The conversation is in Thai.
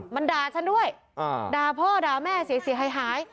มันด่าฉันด้วยด่าพ่อด่าแม่เสียหาย